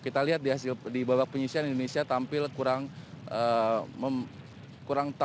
kita lihat di hasil di babak penyusian indonesia tampil kurang